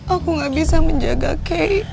aku gak bisa menjaga kay